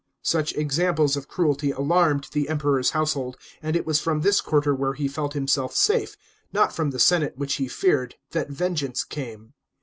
Such examples of cruelty alarmed the Emperor's household; and it was from this quarter where he felt himself safe, not from the senate which he feared, that vengeance came.